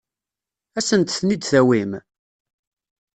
Ad asent-ten-id-tawim?